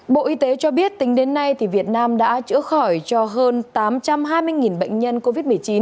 bộ y tế cho biết tính đến nay việt nam đã chữa khỏi cho hơn tám trăm hai mươi bệnh nhân covid một mươi chín